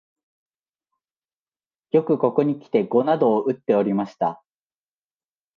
よくここにきて碁などをうっておりました